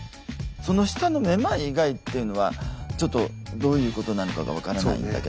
その下のめまい以外っていうのはちょっとどういうことなのかが分からないんだけど。